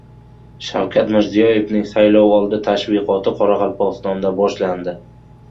Shavkat Mirziyoyevning saylovoldi tashviqoti Qoraqalpog‘istondan boshlandi